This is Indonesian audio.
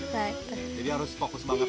jadi harus fokus banget